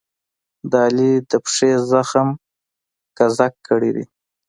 د علي د پښې زخم ګذک کړی دی.